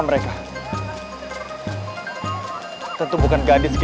mereka sudah berhasil menangkap mereka